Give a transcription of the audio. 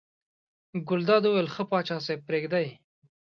ګلداد وویل ښه پاچا صاحب پرېږده یې.